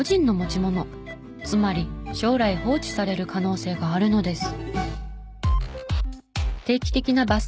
つまり将来放置される可能性があるのです。